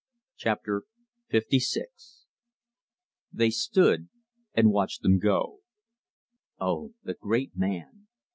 Chapter LVI They stood and watched them go. "Oh, the great man!